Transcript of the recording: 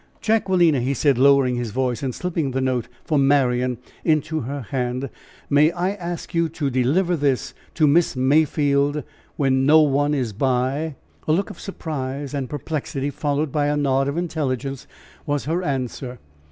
"Jacquelina." he said, lowering his voice, and slipping the note for Marian into her hand, "may I ask you to deliver this to Miss Mayfield, when no one is by?" A look of surprise and perplexity, followed by a nod of intelligence, was her answer.